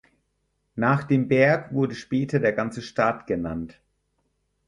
Nach dem Berg wurde später der ganze Staat genannt.